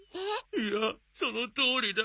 いやそのとおりだ。